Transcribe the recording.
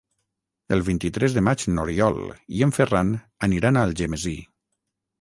El vint-i-tres de maig n'Oriol i en Ferran aniran a Algemesí.